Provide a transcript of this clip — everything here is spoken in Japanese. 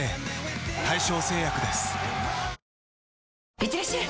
いってらっしゃい！